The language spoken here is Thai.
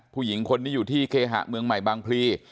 ผู้หญิงคนนี้อยู่ที่เคหะเมืองใหม่บางพลี